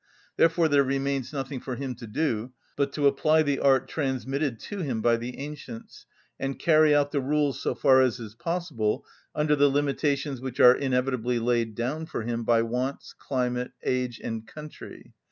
Therefore there remains nothing for him to do but to apply the art transmitted to him by the ancients, and carry out the rules so far as is possible under the limitations which are inevitably laid down for him by wants, climate, age, and country.